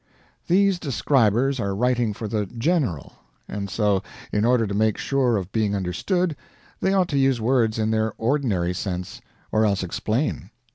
These describers are writing for the "general," and so, in order to make sure of being understood, they ought to use words in their ordinary sense, or else explain.